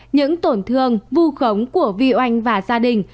những tổn thương vu khống của vịu anh và gia đình